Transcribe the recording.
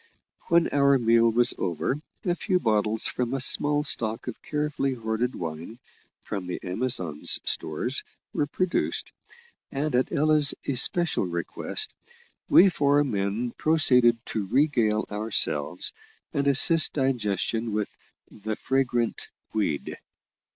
When our meal was over, a few bottles from a small stock of carefully hoarded wine, from the Amazon's stores, were produced, and at Ella's especial request, we four men proceeded to regale ourselves, and assist digestion with "the fragrant weed."